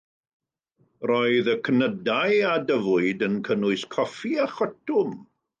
Roedd y cnydau a dyfwyd yn cynnwys coffi a chotwm.